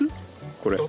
これ。